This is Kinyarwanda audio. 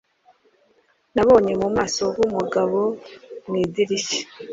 Nabonye mu maso h'umugabo mu idirishya.